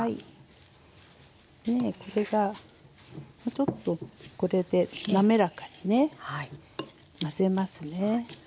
ちょっとこれで滑らかにね混ぜますね。